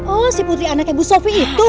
oh si putri anaknya bu sophie itu